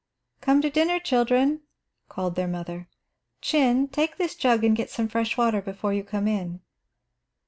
"Come to dinner, children," called their mother. "Chin, take this jug and get some fresh water before you come in."